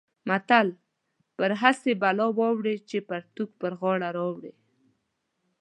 متل: پر هسې بلا واوړې چې پرتوګ پر غاړه راوړې.